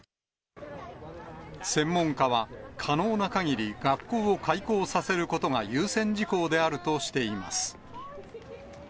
専門家は、可能なかぎり学校を開校させることが優先事項であるとしています。